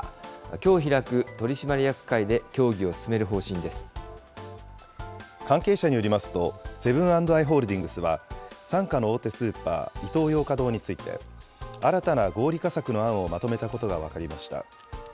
きょう開く取締役会で協議を進め関係者によりますと、セブン＆アイ・ホールディングスは、傘下の大手スーパー、イトーヨーカ堂について、新たな合理化策の案をまとめたことが分かりました。